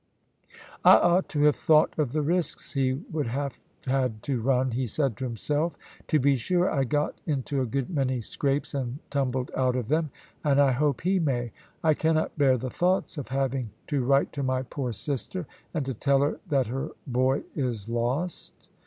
"I ought to have thought of the risks he would have had to run," he said to himself. "To be sure I got into a good many scrapes and tumbled out of them, and I hope he may. I cannot bear the thoughts of having to write to my poor sister, and to tell her that her boy is lost."